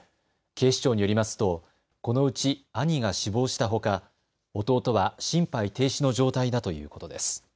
警視庁によりますとこのうち兄が死亡したほか弟は心肺停止の状態だということです。